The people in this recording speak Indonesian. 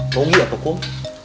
pogi ya tukung